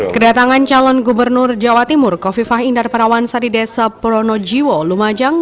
kedatangan calon gubernur jawa timur kofifah indar parawansa di desa pronojiwo lumajang